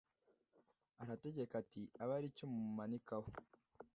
arategeka ati Abe ari cyo mumumanikaho